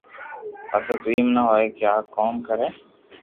پسي بي ايم نہ ھوئي ڪي آ ڪاو ڪري